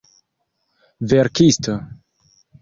verkisto